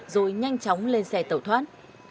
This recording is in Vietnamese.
rồi nhanh chóng lên xe tẩu thoát